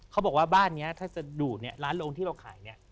เขาบอกว่าบ้านนี้ถ้าจะดูร้านโรงที่เราขาย